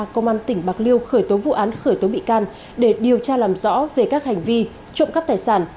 công an tỉnh bạc liêu khởi tố vụ án khởi tố bị can để điều tra làm rõ về các hành vi trộm cắp tài sản